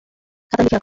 খাতায় লিখে রাখ।